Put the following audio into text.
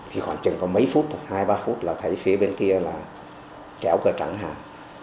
thì khoảng chừng có mấy phút thôi hai ba phút là thấy phía bên kia là kéo cờ trắng hàng